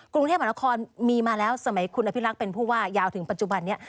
กรุงเทพมหานครมีมาแล้วสมัยคุณอภิรักษ์เป็นผู้ว่ายาวถึงปัจจุบันนี้